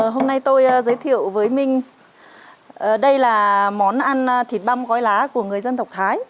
hôm nay tôi giới thiệu với minh đây là món ăn thịt băm gói lá của người dân tộc thái